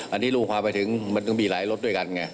อันนี้ลูกความไปถึงมันก็มีหลายรถด้วยกันไง